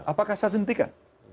apakah saya sentikan